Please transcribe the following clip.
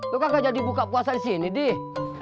lo kan gak jadi buka puasa di sini deh